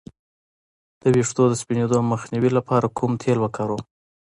د ویښتو د سپینیدو مخنیوي لپاره کوم تېل وکاروم؟